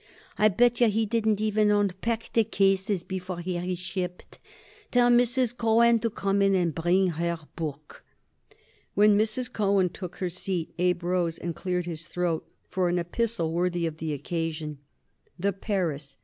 I bet yer he didn't even unpack the cases before he reshipped. Tell Miss Cohen to come in and bring her book." When Miss Cohen took her seat Abe rose and cleared his throat for an epistle worthy of the occasion. "The Paris.